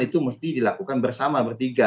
itu mesti dilakukan bersama bertiga